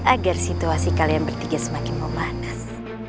agar situasi kalian bertiga semakin memanas